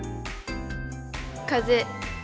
「風」。